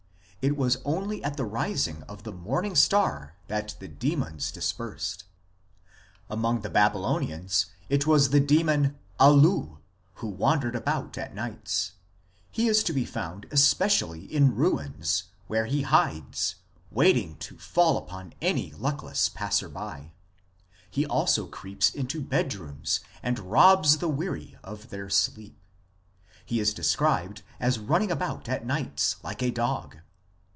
It was only at the rising of the morning star that the demons dispersed. Among the Babylonians it was the demon Alu who wandered about at nights ; he is to be found especially in ruins, where he hides, waiting to fall upon any luckless passer by ; he also creeps into bedrooms and robs the weary of their sleep ; he is described as running about at nights " like a dog."